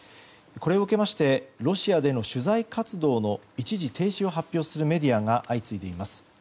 これを受けましてロシアでの取材活動の一時停止を発表するメディアが相次いでいます。